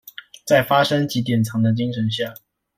在「發生即典藏」的精神下